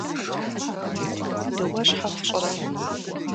Дыуэ щхьэ фщӀырэ?